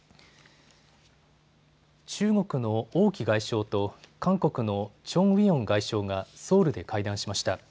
中国の王毅外相と韓国のチョン・ウィヨン外相がソウルで会談しました。